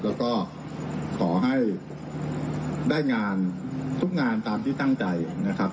แล้วก็ขอให้ได้งานทุกงานตามที่ตั้งใจนะครับ